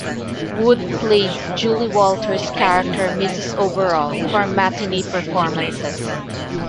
Wood played Julie Walters' character Mrs Overall for matinee performances.